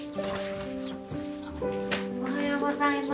おはようございます。